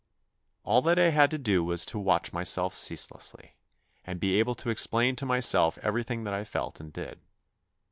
All that I had to do was to watch myself ceaselessly, and be able to explain to myself everything that 1 felt and did.